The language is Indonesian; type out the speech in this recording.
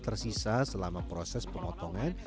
tersisa selama proses pemotongan